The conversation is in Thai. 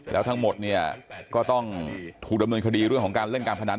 แล้วทั้งหมดเนี่ยก็ต้องถูกดำเนินคดีเรื่องของการเล่นการพนัน